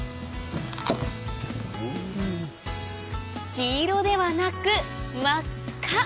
黄色ではなく真っ赤！